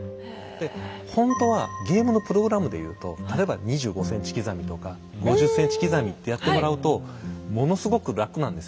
でほんとはゲームのプログラムでいうと例えば２５ｃｍ刻みとか５０ｃｍ刻みってやってもらうとものすごく楽なんですよね。